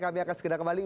kami akan segera kembali